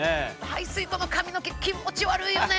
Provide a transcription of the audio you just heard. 排水溝の髪の毛気持ち悪いよね。